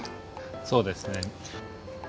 そうですね。